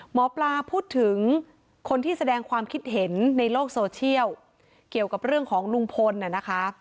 หมอปลาพูดถึงคนที่แสดงความคิดเห็นในโลกโซเชียลเกี่ยวกับเรื่องของลุงพลน่ะนะคะ